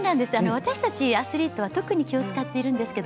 私たちアスリートは特に気を遣っています。